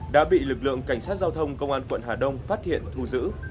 đã bị lực lượng cảnh sát giao thông công an tp hà nội phát hiện thu giữ